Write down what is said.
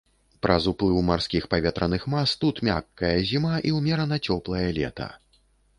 Праз уплыў марскіх паветраных мас тут мяккая зіма і ўмерана цёплае лета.